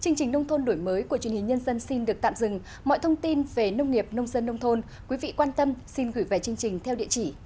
chương trình nông thôn đổi mới của truyền hình nhân dân xin được tạm dừng mọi thông tin về nông nghiệp nông dân nông thôn quý vị quan tâm xin gửi về chương trình theo địa chỉ